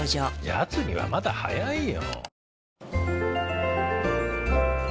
やつにはまだ早いよ。